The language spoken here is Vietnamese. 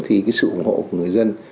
thì sự ủng hộ của người dân